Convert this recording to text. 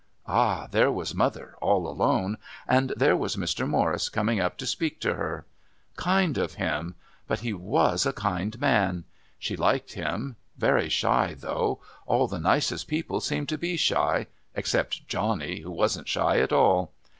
Ah, there was mother, all alone. And there was Mr. Morris coming up to speak to her. Kind of him. But he was a kind man. She liked him. Very shy, though. All the nicest people seemed to be shy except Johnny, who wasn't shy at all.